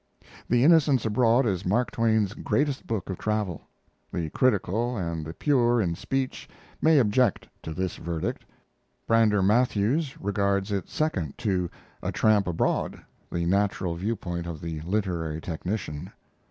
The Innocents Abroad is Mark Twain's greatest book of travel. The critical and the pure in speech may object to this verdict. Brander Matthews regards it second to A Tramp Abroad, the natural viewpoint of the literary technician.